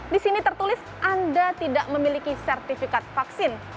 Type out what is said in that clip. di sini tertulis anda tidak memiliki sertifikat vaksin